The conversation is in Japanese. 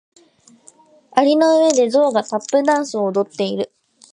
蟻の上でゾウがタップダンスを踊っている。